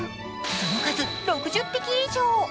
その数６０匹以上。